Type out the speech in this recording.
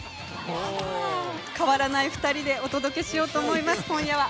変わらない２人でお届けしようと思います、今夜は。